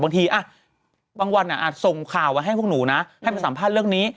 บางทีบางวันอาจส่งข่าวมาให้พวกหนูนะให้มาสัมภาษณ์เรื่องนี้